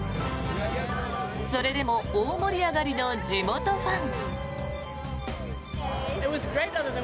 それでも大盛り上がりの地元ファン。